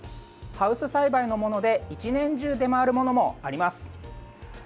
ハウス栽培のもので１年中、出回るものもあります。